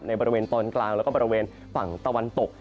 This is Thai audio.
บริเวณตอนกลางแล้วก็บริเวณฝั่งตะวันตก